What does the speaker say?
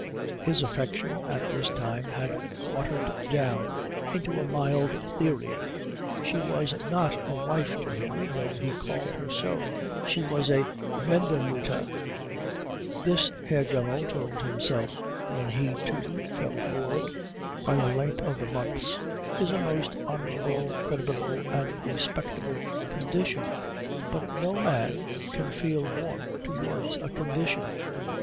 His affection at this time had watered down into a mild theory. She was not a wife to him, though he called her so; she was a werdende Mutter. This, Herr Dremmel told himself when he, too, felt bored by the length of the months, is a most honourable, creditable, and respectable condition; but no man can feel warm towards a condition.